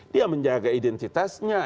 dia menjaga identitasnya